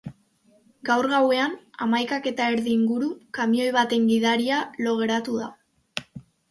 Gaur gauean, hamaikak eta erdi inguru, kamioi baten gidaria lo geratu da.